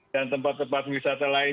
dan tempat tempat wisata lain